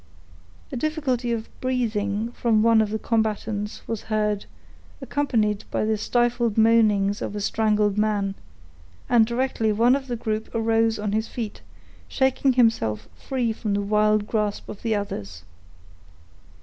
A difficulty of breathing, from one of the combatants, was heard, accompanied by the stifled moanings of a strangled man; and directly one of the group arose on his feet, shaking himself free from the wild grasp of the others.